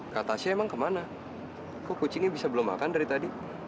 kata saya emang kemana kok kucingnya bisa belum makan dari tadi